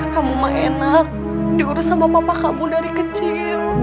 kamu mah enak diurus sama papa kamu dari kecil